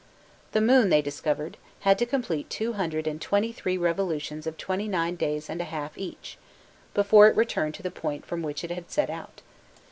The moon, they discovered, had to complete two hundred and twenty three revolutions of twenty nine days and a half each, before it returned to the point from which it had set out.